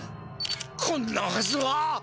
こんなはずは。